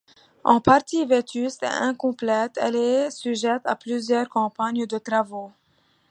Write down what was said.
En partie vétuste et incomplète, elle est sujette à plusieurs campagnes de travaux.